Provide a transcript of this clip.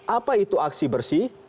apa itu aksi bersih